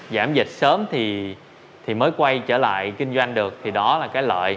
giảm dịch sớm thì mới quay trở lại kinh doanh được thì đó là cái lợi